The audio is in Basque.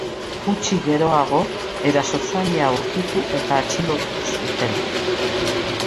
Gutxi geroago erasotzailea aurkitu eta atxilotu zuten.